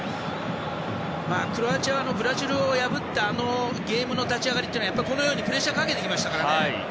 クロアチアは、ブラジルを破ったあのゲームの立ち上がりはこのようにプレッシャーをかけてきましたからね。